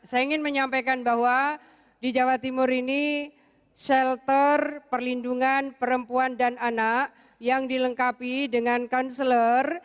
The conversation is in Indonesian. saya ingin menyampaikan bahwa di jawa timur ini shelter perlindungan perempuan dan anak yang dilengkapi dengan konselor